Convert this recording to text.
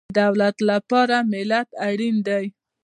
د دولت لپاره ملت اړین دی